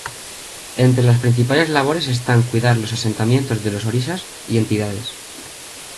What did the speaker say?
Entre las principales labores están cuidar los asentamientos de los orishas y entidades.